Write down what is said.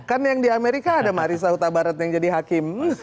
kan yang di amerika ada marissa huta barat yang jadi hakim